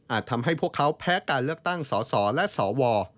ทำให้พวกเขาแพ้การเลือกตั้งสสและสว